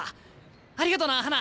ありがとな花。